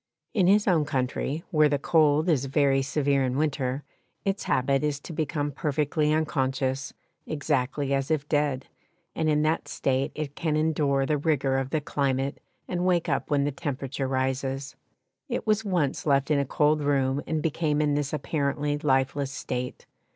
In his own country, where the cold is very severe in winter, its habit is to become perfectly unconscious, exactly as if dead, and in that state it can endure the rigour of the climate and wake up when the temperature rises. It was once left in a cold room and became in this apparently lifeless state.